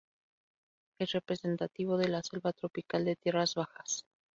Es representativo de la selva tropical de tierras bajas.